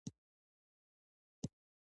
آیا افغانستان د بیرایت زیرمې لري؟